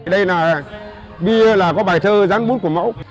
đây là bài thơ gián bút của mẫu